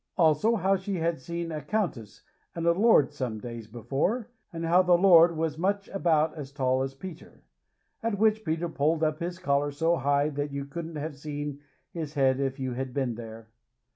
Also how she had seen a countess and a lord some days before, and how the lord "was much about as tall as Peter," at which Peter pulled up his collars so high that you couldn't have seen his head if you had been there.